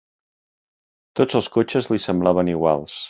Tots els cotxes li semblaven iguals.